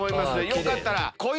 よかったら。